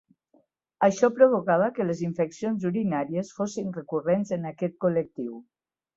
Això provocava que les infeccions urinàries fossin recurrents en aquest col·lectiu.